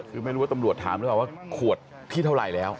คือไม่รู้ว่าตำรวจถามหรือเปล่าว่าขวดที่เท่าไหร่แล้ว